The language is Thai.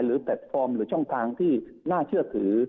แพลตฟอร์มหรือช่องทางที่น่าเชื่อถือ